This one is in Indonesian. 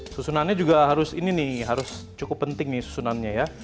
susunannya juga harus ini nih harus cukup penting nih susunannya ya